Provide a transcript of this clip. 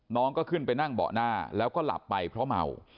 น้องก็ขึ้นไปนั่งเบาะหน้าแล้วก็หลับไปเพราะเมา